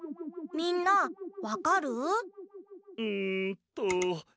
みんなわかる？んっと。